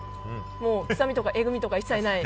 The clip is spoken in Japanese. もう臭みとかえぐみが一切ない